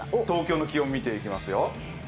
東京の気温見ていきますよ。